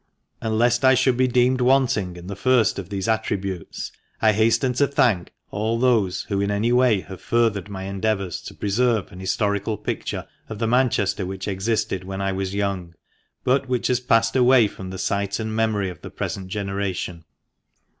And lest I should be deemed wanting in the first of these attributes, I hasten to thank all those who in any way have furthered my endeavours to preserve an historical picture of the Manchester which existed when I was young, but which has passed away from the sight and memory of the present generation.